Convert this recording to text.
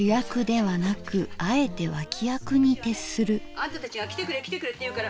「あんたたちが来てくれ来てくれって言うから」。